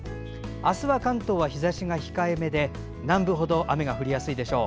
明日は関東は日ざしが控えめで南部ほど雨が降りやすいでしょう。